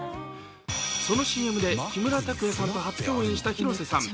そのＣＭで木村拓哉さんと初共演した広瀬さん。